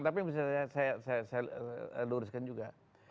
tapi yang bisa saya luruskan juga